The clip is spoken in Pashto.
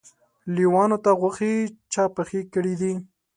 لېوانو ته غوښې چا پخې کړي دي؟